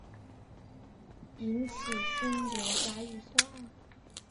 这次骚乱由新国家预算中税收明显增加而引起。